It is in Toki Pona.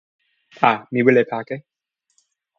a, mi wile pake.